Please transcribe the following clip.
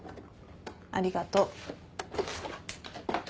ありがとう。